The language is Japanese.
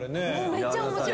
めっちゃ面白い。